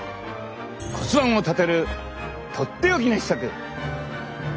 骨盤を立てるとっておきの秘策。